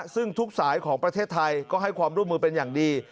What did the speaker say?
ซึ่งทุกสายของประเทศไทยก็ให้ความร่วมมือเป็นอย่างดี